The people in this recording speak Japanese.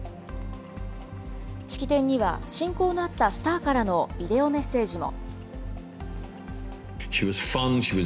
式典には、親交のあったスターからのビデオメッセージも。